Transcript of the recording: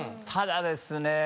ただですね